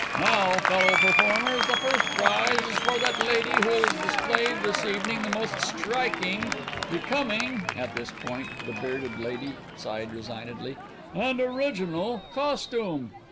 Now, fellow performers, the first prize is for that lady who has displayed this evening the most striking, becoming" at this point the bearded lady sighed resignedly "and original costume."